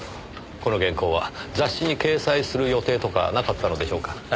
この原稿は雑誌に掲載する予定とかなかったのでしょうか？